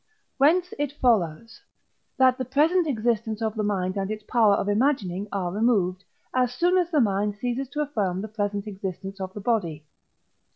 Whence it follows, that the present existence of the mind and its power of imagining are removed, as soon as the mind ceases to affirm the present existence of the body.